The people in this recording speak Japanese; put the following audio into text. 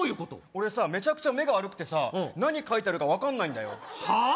俺さめちゃくちゃ目が悪くてさ何書いてあるか分かんないんだよはあ？